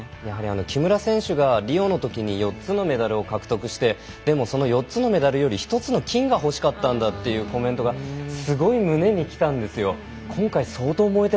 木村選手がリオのときに４つのメダルを獲得していてでも、その４つのメダルより１つの金がほしかったというコメントがすごい胸にきたんですよ。